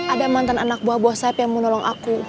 ada mantan anak buah bos saeb yang mau nolong aku